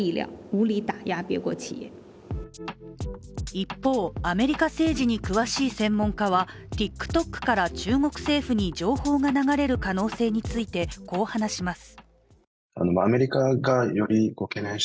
一方、アメリカ政治に詳しい専門家はＴｉｋＴｏｋから中国政府に情報が流れる可能性についてこう話します。